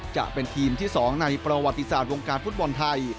จะเป็นทีมที่๒ในประวัติศาสตร์วงการฟุตบอลไทย